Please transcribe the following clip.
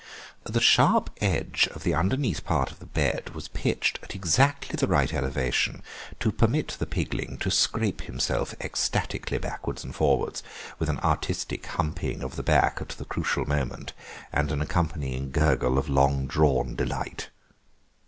The sharp edge of the underneath part of the bed was pitched at exactly the right elevation to permit the pigling to scrape himself ecstatically backwards and forwards, with an artistic humping of the back at the crucial moment and an accompanying gurgle of long drawn delight.